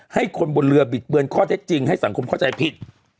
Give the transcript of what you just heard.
ให้คนบนเรือบิดเบือนข้อเท็จจริงให้สังคมเข้าใจผิด